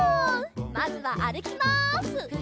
まずはあるきます！